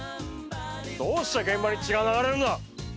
どうして現場に血が流れるんだ。